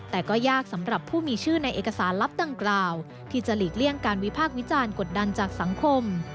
แต่ก็ยากสำหรับผู้มีชื่อในเอกสารลับดังกล่าวที่จะหลีกเลี่ยงการวิพากษ์วิจารณ์กดดันจากสังคม